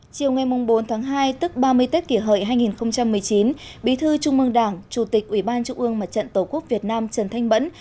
chiều ngày bốn tháng hai tức ba mươi tết kỷ hợi hai nghìn một mươi chín bí thư trung mương đảng chủ tịch ủy ban trung ương mặt trận tổ quốc việt nam trần thanh mẫn